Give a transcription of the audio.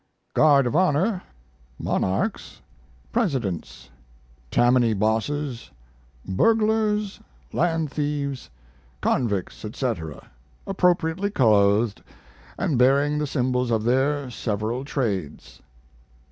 Guard of Honor Monarchs, Presidents, Tammany Bosses, Burglars, Land Thieves, Convicts, etc., appropriately clothed and bearing the symbols of their several trades.